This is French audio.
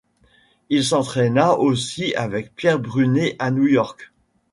Il s'entraînera aussi avec Pierre Brunet à New York.